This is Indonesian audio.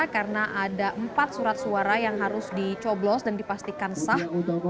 karena ada empat surat suara yang harus dicoblos dan dipastikan sah